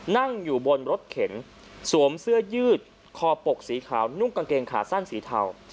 นั่งอยู่บนรถเข็นสวมเสื้อยืดคอปกสีขาวนุ่งกางเกงขาสั้นสีเทา